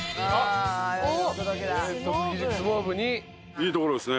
いいところですね